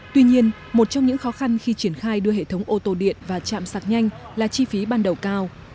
tuy nhiên một trong những khó khăn khi triển khai đưa hệ thống ô tô điện và chạm sạc nhanh là chi phí ban đầu cao